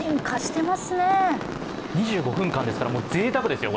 ２５分間ですから、ぜいたくですよ。